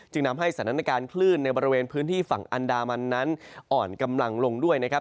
ทำให้สถานการณ์คลื่นในบริเวณพื้นที่ฝั่งอันดามันนั้นอ่อนกำลังลงด้วยนะครับ